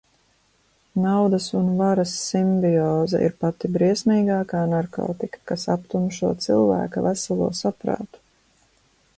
Naudas un varas simbioze ir pati briesmīgākā narkotika, kas aptumšo cilvēka veselo saprātu.